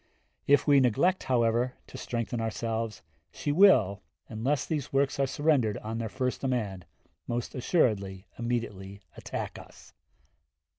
If we neglect, however, to strengthen ourselves, she will, unless these works are surrendered on their first demand, most assuredly immediately attack us.